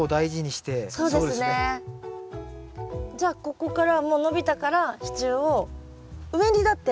じゃあここからもう伸びたから支柱を上にだって。